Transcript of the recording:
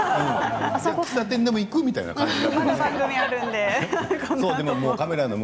喫茶店でも行くという感じで。